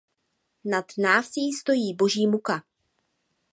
Nad návsí stojí boží muka.